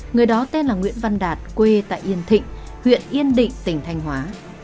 người đó tên là nguyễn văn đạt quê tại yên thịnh huyện yên định tỉnh thanh hóa